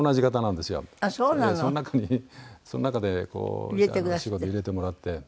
それでその中にその中で仕事入れてもらって。